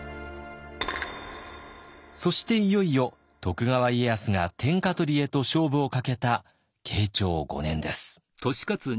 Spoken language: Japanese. そしていよいよ徳川家康が天下取りへと勝負をかけた慶長５年です。